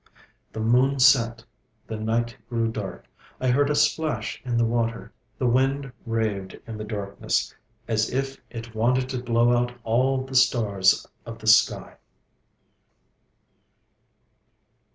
The moon set; the night grew dark. I heard a splash in the water. The wind raved in the darkness, as if it wanted to blow out all the stars of the sky.